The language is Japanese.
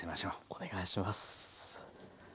お願いします。